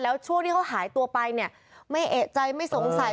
แล้วช่วงที่เขาหายตัวไปเนี่ยไม่เอกใจไม่สงสัย